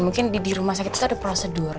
mungkin di rumah sakit itu ada prosedur